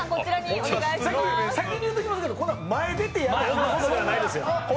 先に言っときますけど、こんな前に出てやることではないです。